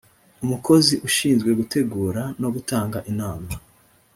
umukozi ushinzwe gutegura no gutanga inama